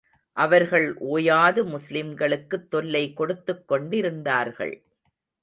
அவர்கள் ஓயாது, முஸ்லிம்களுக்குத் தொல்லை கொடுத்துக் கொண்டிருந்தார்கள்.